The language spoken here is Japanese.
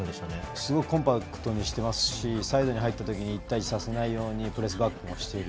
すごいコンパクトにしていますしサイドに入ったときに１対１になってプレスバックしている。